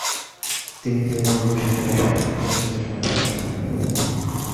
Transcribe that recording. তিনি কিয়েভান রুস ইতিহাসের সবচেয়ে বিপর্যস্ত সময়ের শাসক ছিলেন।